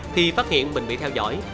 thì phát hiện mình bị theo dõi